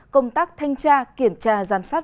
công tác thanh tra kiểm tra giám sát